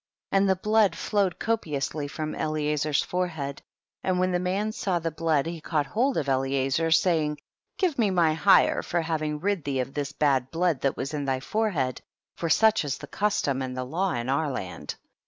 17. And the blood flowed copious ly from Eliezer's forehead, and when the man saw the blood he caught hold of Eliezer, saying, give me my hire for having rid thee of this bad blood that was in thy forehead, for such is the custom and the law in our land.